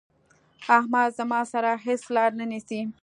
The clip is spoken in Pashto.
احمد زما سره هيڅ لار نه نيسي.